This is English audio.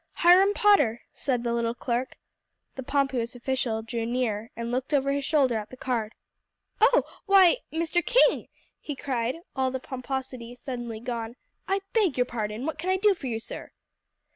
"Hiram Potter," said the little clerk. The pompous official drew near, and looked over his shoulder at the card. "Oh! why Mr. King!" he cried, all the pomposity suddenly gone. "I beg your pardon; what can I do for you, sir?"